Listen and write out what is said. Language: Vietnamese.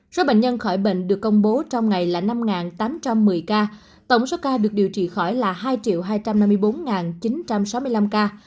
số bệnh nhân khỏi bệnh được công bố trong ngày là năm tám trăm một mươi ca tổng số ca được điều trị khỏi là hai hai trăm năm mươi bốn chín trăm sáu mươi năm ca